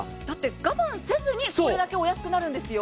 我慢せずにこれだけお安くなるんですよ。